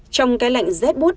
trong cái lệnh z boot